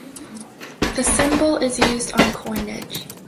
The symbol is used on coinage.